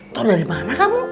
tau dari mana kamu